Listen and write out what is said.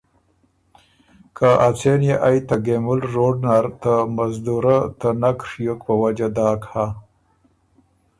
که ا څېن يې ائ ته ګېمُل روډ نر ته مزدورۀ ته نک ڒیوک په وجه داک هۀ